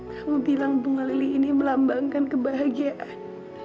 kamu bilang bunga lili ini melambangkan kebahagiaan